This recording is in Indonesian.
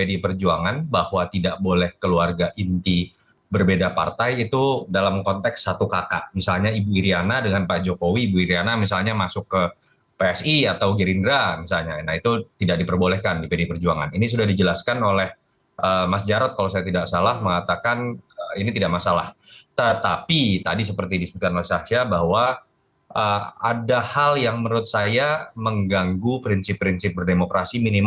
yang kedua juga kita tahu aturan